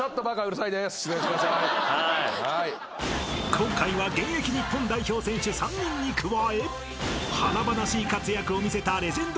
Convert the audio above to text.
［今回は現役日本代表選手３人に加え華々しい活躍を見せたレジェンドＯＧ４人］